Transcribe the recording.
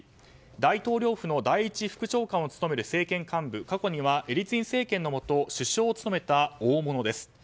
大統領府の第１副長官を務める政権幹部過去にはエリツィン政権のもと首相を務めた大物です。